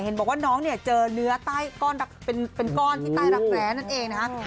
บอกว่าน้องเนี่ยเจอเนื้อเป็นก้อนที่ใต้รักแร้นั่นเองนะคะ